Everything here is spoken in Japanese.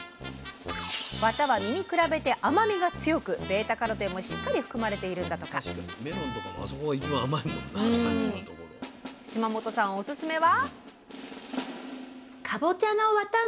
ワタは実に比べて甘みが強くβ−カロテンもしっかり含まれているんだとか島本さんおすすめは？